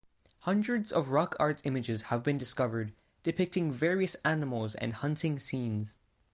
Hundreds of rock art images have been discovered, depicting various animals and hunting scenes.